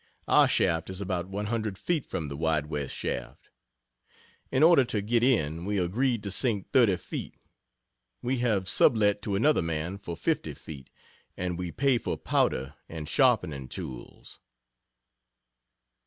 our shaft is about 100 ft. from the W. W. shaft. In order to get in, we agreed to sink 30 ft. We have sub let to another man for 50 ft., and we pay for powder and sharpening tools.